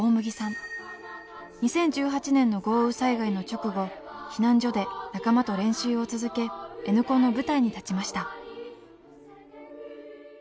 ２０１８年の豪雨災害の直後避難所で仲間と練習を続けＮコンの舞台に立ちました。